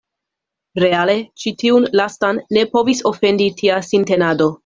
Reale ĉi tiun lastan ne povis ofendi tia sintenado.